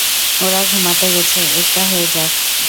ওরা ঘুমাতে গেছে, একটা হয়ে যাক?